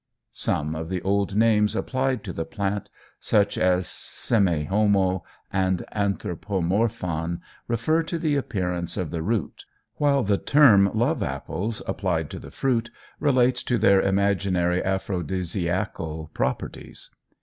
Some of the old names applied to the plant, such as semihomo and anthropomorphon, refer to the appearance of the root, while the term "love apples" applied to the fruit relates to their imaginary aphrodisiacal properties.